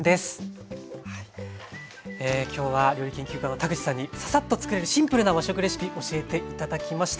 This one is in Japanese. きょうは料理研究家の田口さんにササッとつくれるシンプルな和食レシピ教えて頂きました。